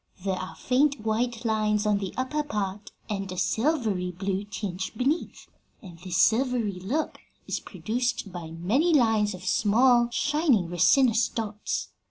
There are faint white lines on the upper part and a silvery blue tinge beneath, and this silvery look is produced by many lines of small, shining resinous dots.